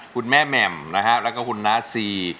คุณแม่แหม่มนะฮะแล้วก็คุณน้าซี